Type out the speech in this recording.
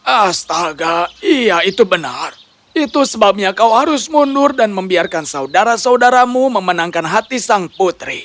astaga iya itu benar itu sebabnya kau harus mundur dan membiarkan saudara saudaramu membalik